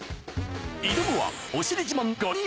挑むはお尻自慢の５人。